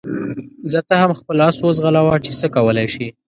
ځه ته هم خپل اس وځغلوه چې څه کولای شې.